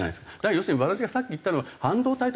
要するに私がさっき言ったのは半導体と交換します